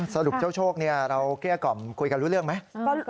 สรุปเจ้าโชคเราเกลี้ยกล่อมคุยกันรู้เรื่องไหม